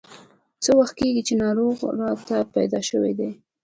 څه وخت کېږي چې ناروغي راته پیدا شوې ده.